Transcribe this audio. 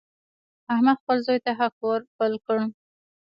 احمد خپل زوی ته حق ور پل کړ.